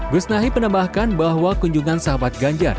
bisnahib menambahkan bahwa kunjungan sahabat ganjar